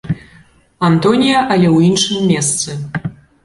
Антонія, але ў іншым месцы.